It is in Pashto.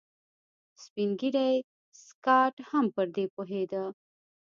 سپين ږيری سکاټ هم پر دې پوهېده.